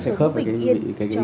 tiếp tục với các tin tức đáng chú ý